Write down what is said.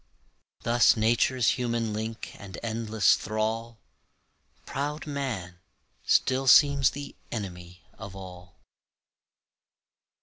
Thus nature's human link and endless thrall, Proud man, still seems the enemy of all.